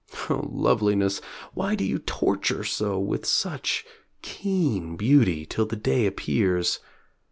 Oh loveliness! why do you torture so With such keen beauty till the day appears?